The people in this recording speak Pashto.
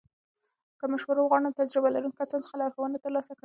که مشوره وغواړې، نو له تجربه لرونکو کسانو څخه لارښوونه ترلاسه کړه.